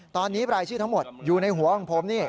ตอนนี้รายชื่อทั้งหมดอยู่ในหัวของผมนี่